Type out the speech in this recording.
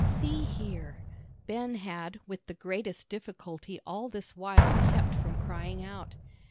"See here," Ben had with the greatest difficulty all this while kept from crying out.